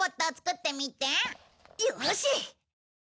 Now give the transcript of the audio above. よし！